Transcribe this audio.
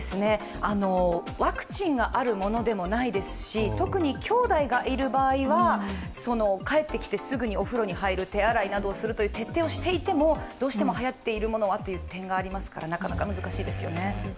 ワクチンがあるものでもないですし特に兄弟がいる場合は帰ってきてすぐにお風呂に入る、手洗いをするという徹底をしていても、どうしてもはやっているものはという点がありますからなかなか難しいですよね。